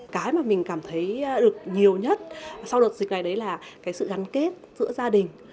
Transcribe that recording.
cái mà mình cảm thấy được nhiều nhất sau đợt dịch này đấy là cái sự gắn kết giữa gia đình